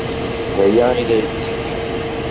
D aya ay la ttgeɣ.